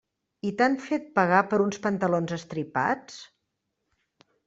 I t'han fet pagar per uns pantalons estripats?